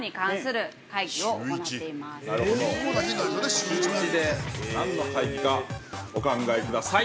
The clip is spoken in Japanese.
◆週１で何の会議かお考えください。